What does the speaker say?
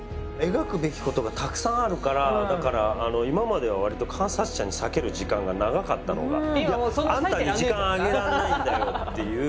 描くべきことがたくさんあるからだから今まではわりと観察者に割ける時間が長かったのが「あんたに時間あげられないんだよ」っていう。